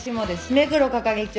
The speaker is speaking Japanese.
目黒係長。